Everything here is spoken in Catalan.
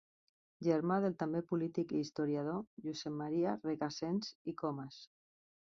Germà del també polític i historiador Josep Maria Recasens i Comes.